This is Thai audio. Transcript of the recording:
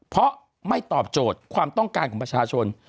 เพราะไม่ตอบโจทย์ความต้องการของประชาชน